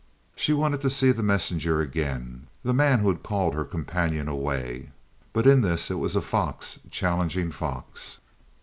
She wanted to see the messenger again, the man who had called her companion away; but in this it was fox challenging fox.